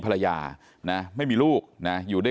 ตลอดทั้งคืนตลอดทั้งคืน